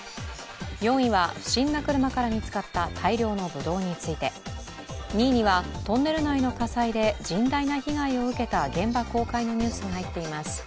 ４位は不審な車から見つかった大量のぶどうについて２位にはトンネル内の火災で甚大な被害を受けた現場公開のニュースが入っています。